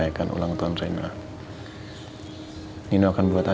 aku lagi main sama kuda